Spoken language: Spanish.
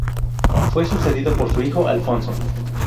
Fue sucedido por su hijo, Alfonso.